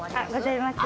ございます。